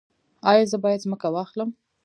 ایا زه باید ځمکه واخلم؟